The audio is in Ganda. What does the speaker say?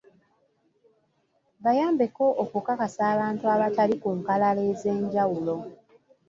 Bayambeko okukakasa abantu abali ku nkalala ez'enjawulo.